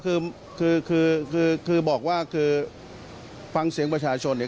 คือคือคือคือคือคือคือคือคือคือคือ